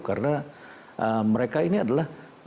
karena mereka ini adalah